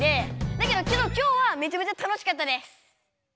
だけど今日はめちゃめちゃ楽しかったです！